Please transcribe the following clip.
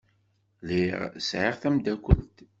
Lliɣ sɛiɣ tamdakelt.